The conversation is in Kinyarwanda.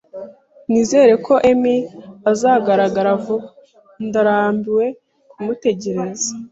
Nizere ko Emi azagaragara vuba. Ndarambiwe kumutegereza